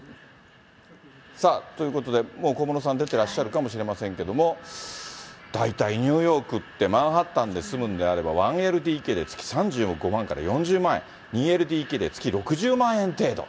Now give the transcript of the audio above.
さあ、ということで、もう小室さん、出てらっしゃるかもしれませんけども、大体ニューヨークって、マンハッタンで住むんであれば、１ＬＤＫで月３５万から４０万円、２ＬＤＫで月６０万円程度。